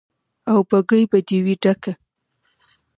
او بګۍ به دې وي ډکه